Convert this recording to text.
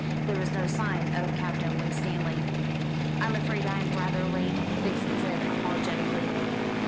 There was no sign of Captain Winstanley. "I'm afraid I'm rather late," Vixen said apologetically.